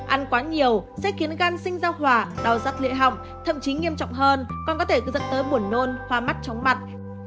ăn quá nhiều sẽ khiến gan sinh ra hỏa đau giấc lễ họng thậm chí nghiêm trọng hơn còn có thể dẫn tới buồn nôn hoa mắt chóng mặt